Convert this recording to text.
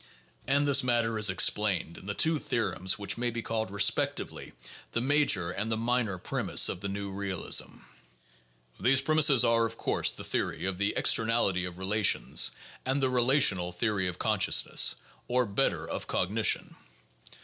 And this matter is explained in the two theorems which may be called respectively the major and the minor premise of the new realism. 592 THE JOURNAL OF PHILOSOPHY These premises are, of course, the theory of the externality of re lations, and the relational theory of consciousness, or, better, of cog nition.